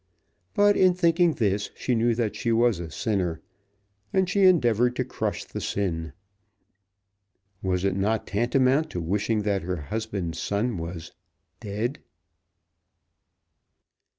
But in thinking this she knew that she was a sinner, and she endeavoured to crush the sin. Was it not tantamount to wishing that her husband's son was dead?